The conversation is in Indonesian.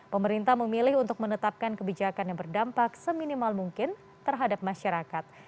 pemerintah memilih untuk menetapkan kebijakan yang berdampak seminimal mungkin terhadap masyarakat